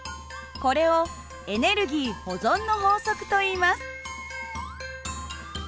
これをエネルギー保存の法則といいます。